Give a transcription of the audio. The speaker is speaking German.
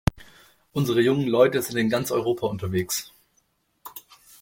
Unsere jungen Leute sind in ganz Europa unterwegs.